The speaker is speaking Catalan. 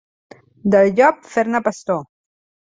Del llop fer-ne pastor.